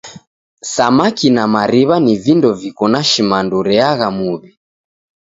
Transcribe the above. Samaki na mariw'a ni vindo viko na shimandu reagha muw'i.